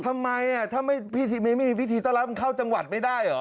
ทำไมถ้าไม่มีพิธีต้อนรับมันเข้าจังหวัดไม่ได้เหรอ